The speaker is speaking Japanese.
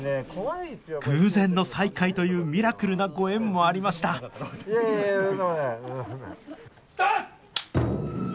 偶然の再会というミラクルなご縁もありましたスタート！